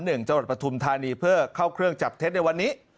จังหวัดปฐุมธานีเพื่อเข้าเครื่องจับเท็จในวันนี้